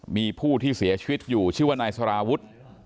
มีผู้ที่เสียชีวิตอยู่ชื่อว่านายสารวุฒิ